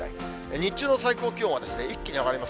日中の最高気温は、一気に上がります。